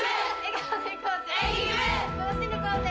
楽しんでいこうぜ。